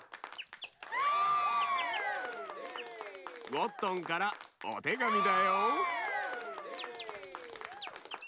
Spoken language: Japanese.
ゴットンからおてがみだよ。